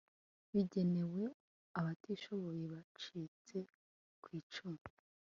bigenewe abatishoboye bacitse ku icumu